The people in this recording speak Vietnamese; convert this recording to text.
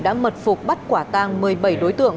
đã mật phục bắt quả tang một mươi bảy đối tượng